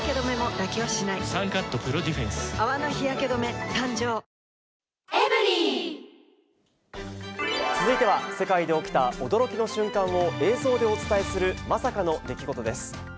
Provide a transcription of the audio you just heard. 消防当局は、火事の原因を調査中続いては、世界で起きた驚きの瞬間を、映像でお伝えするまさかの出来事です。